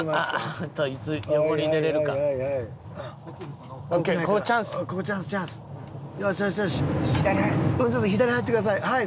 ちょっと左入ってください。